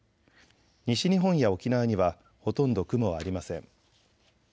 西日本や沖縄にはほとんど雲はありません。